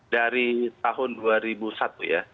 dari tahun dua ribu satu ya